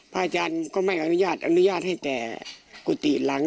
อาจารย์ก็ไม่อนุญาตอนุญาตให้แต่กุฏิหลัง